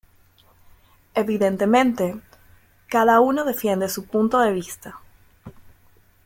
Evidentemente, cada uno defiende su punto de vista.